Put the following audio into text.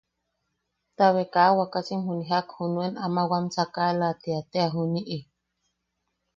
Tabe kaa wakasim juni jak nuen ama wam sakala tia tea junii.